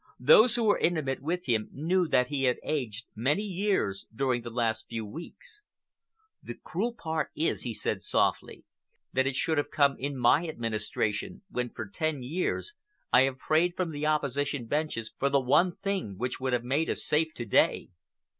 Those who were intimate with him knew that he had aged many years during the last few weeks. "The cruel part is," he said softly, "that it should have come in my administration, when for ten years I have prayed from the Opposition benches for the one thing which would have made us safe to day."